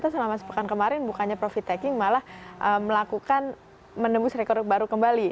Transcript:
selama sepekan kemarin bukannya profit taking malah melakukan menembus rekor baru kembali